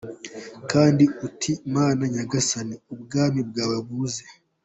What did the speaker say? Kandi uti Mana Nyagasani, ubwami bwawe buze.